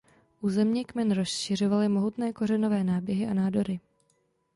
U země kmen rozšiřovaly mohutné kořenové náběhy a nádory.